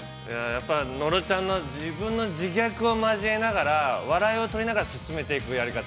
◆やっぱり野呂ちゃんの自分の自虐を交えながら笑いを取りながら進めていくやり方。